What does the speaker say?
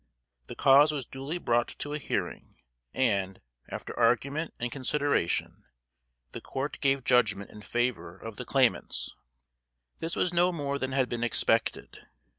The cause was duly brought to a hearing, and, after argument and consideration, the court gave judgment in favor of the claimants. This was no more than had been expected.